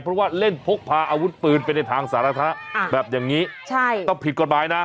เพราะว่าเล่นพกพาอาวุธปืนไปในทางสาธารณะแบบอย่างนี้ต้องผิดกฎหมายนะ